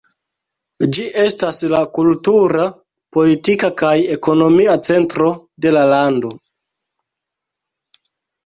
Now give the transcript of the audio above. Ĝi estas la kultura, politika kaj ekonomia centro de la lando.